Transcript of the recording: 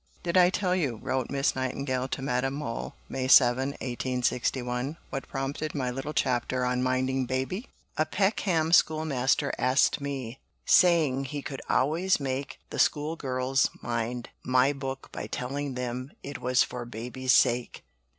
"Did I tell you," wrote Miss Nightingale to Madame Mohl (May 7, 1861), "what prompted my little chapter on Minding Baby? A Peckham schoolmaster asked me, saying he could always make the school girls mind my book by telling them it was 'for baby's sake.'